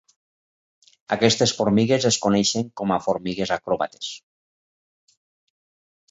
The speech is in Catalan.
Aquestes formigues es coneixen com a formigues acròbates.